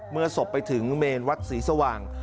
ศพไปถึงเมนวัดศรีสว่าง